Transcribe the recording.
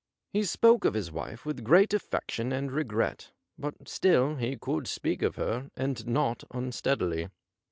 He spoke of his wife with great affection and regret, but still he could speak of CASE OF VINCENT PYRWHIT her and not unsteadily.